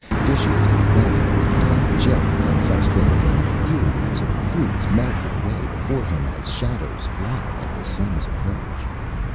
Dishes of brandy grapes, and jellies, and such things, and pyramids of fruits melted away before him as shadows fly at the sun's approach.